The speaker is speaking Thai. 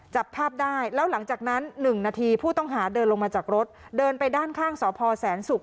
จับภาพได้แล้วหลังจากนั้น๑นาทีผู้ต้องหาเดินลงมาจากรถเดินไปด้านข้างสพแสนศุกร์